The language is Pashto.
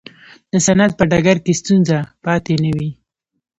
د صنعت په ډګر کې ستونزه پاتې نه وي.